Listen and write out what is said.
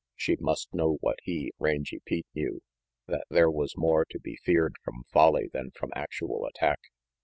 She must know what he, Rangy Pete, knew that there was more to be feared from folly than from actual attack.